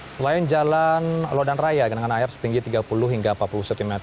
selain jalan lodan raya genangan air setinggi tiga puluh hingga empat puluh cm